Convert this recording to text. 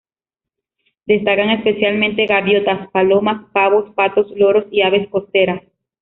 Destacan especialmente gaviotas, palomas, pavos, patos, loros y aves costeras.